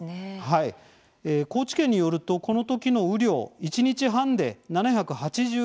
はい、高知県によるとこのときの雨量一日半で７８２．５ｍｍ。